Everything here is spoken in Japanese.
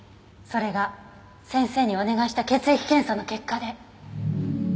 それが先生にお願いした血液検査の結果で。